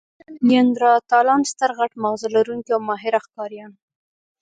نیاندرتالان ستر، غټ ماغزه لرونکي او ماهره ښکاریان وو.